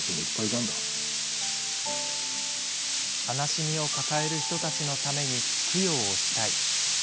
悲しみを抱える人たちのために供養をしたい。